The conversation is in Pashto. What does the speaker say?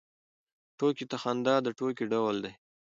ټوکې ته خندا د ټوکې ډول دی.